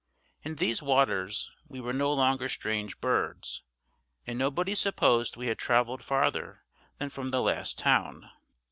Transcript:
In these waters we were no longer strange birds, and nobody supposed we had travelled farther than from the last town.